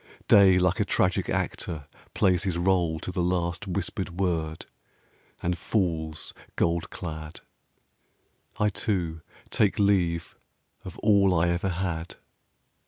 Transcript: Day like a tragic actor plays his rôle To the last whispered word, and falls gold clad. I, too, take leave of all I ever had.